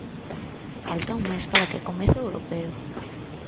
Falta un mes para que comece o europeo.